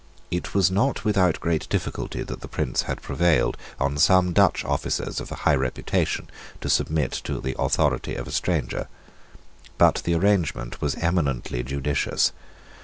It was not without great difficulty that the Prince had prevailed on some Dutch officers of high reputation to submit to the authority of a stranger. But the arrangement was eminently judicious.